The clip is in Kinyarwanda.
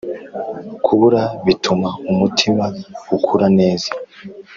kubura bituma umutima ukura neza